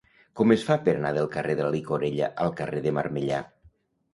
Com es fa per anar del carrer de la Llicorella al carrer de Marmellà?